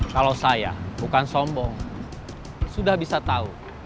kalau saya bukan sombong sudah bisa tahu